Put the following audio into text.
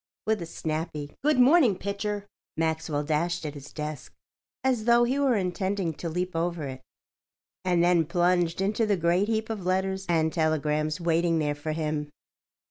With a snappy "Good morning, Pitcher," Maxwell dashed at his desk as though he were intending to leap over it, and then plunged into the great heap of letters and telegrams waiting there for him.